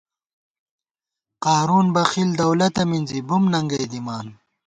قارُون بخیل دولَتہ مِنزی، بُم ننگئی دِمان